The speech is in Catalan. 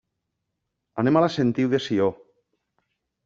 Anem a la Sentiu de Sió.